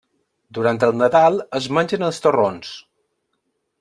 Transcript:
Durant el Nadal es mengen els torrons.